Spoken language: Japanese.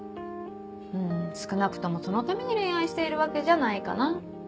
うん少なくともそのために恋愛しているわけじゃないかな。